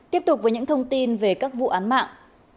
tiếp tục với những thông tin về các vụ án mạng